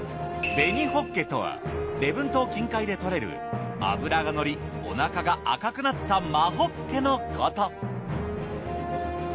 紅ホッケとは礼文島近海で獲れる脂が乗りお腹が赤くなった真ホッケのこと。